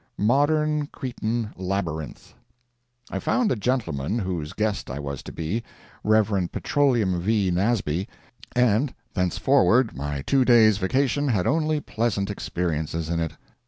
Modern Cretan Labyrinth I found the gentleman whose guest I was to be—Rev. Petroleum V. Nasby—and thenceforward my two days' vacation had only pleasant experiences in it.